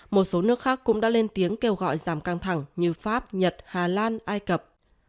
một số nước khác cũng đã lên tiếng kêu gọi giảm căng thẳng như pháp nhật hà lan ai cập